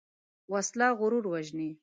وسله غرور وژني